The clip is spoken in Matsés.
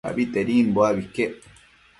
Abitedimbo abi iquec